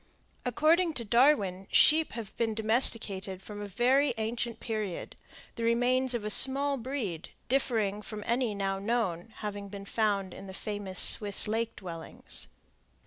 According to Darwin, sheep have been domesticated from a very ancient period, the remains of a small breed, differing from any now known, having been found in the famous Swiss lake dwellings.